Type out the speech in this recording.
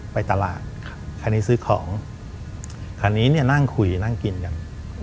ไปตลาดคันนี้ซื้อของคันนี้เนี่ยนั่งคุยนั่งกินกัน